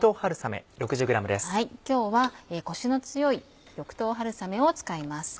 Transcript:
今日はコシの強い緑豆春雨を使います。